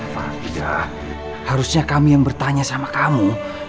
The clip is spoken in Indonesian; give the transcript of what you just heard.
harusnya kami yang bertanya sama kamu